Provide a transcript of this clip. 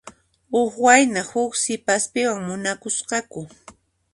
Huk wayna huk sipaspiwan munakusqaku.